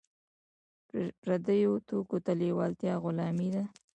پردیو توکو ته لیوالتیا غلامي ده.